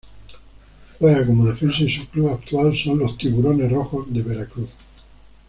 Juega como defensa y su club actual son los Tiburones Rojos de Veracruz.